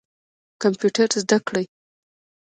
کمپیوټر زده کړئ